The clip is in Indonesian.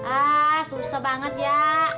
ah susah banget ya